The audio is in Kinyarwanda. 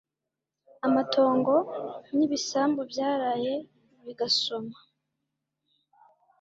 amatongo n'ibisambu byaraye bigasoma